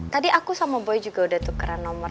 tadi aku sama boy juga udah tukeran nomor